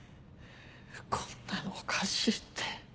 こんなのおかしいって。